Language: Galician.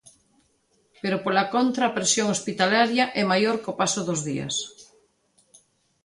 Pero pola contra a presión hospitalaria é maior co paso dos días.